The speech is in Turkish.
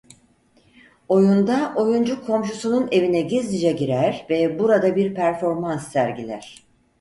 Oyunda oyuncu komşusunun evine gizlice girer ve burada bir performans sergiler.